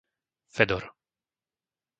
Fedor